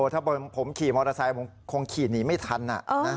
ถ้าผมขี่มอเตอร์ไซค์ผมคงขี่หนีไม่ทัน